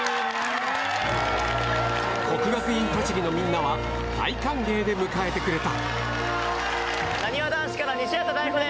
國學院栃木のみんなは、大歓迎で迎えてくれた。